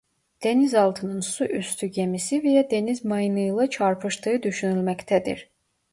Denizaltının su üstü gemisi veya deniz mayınıyla çarpıştığı düşünülmektedir.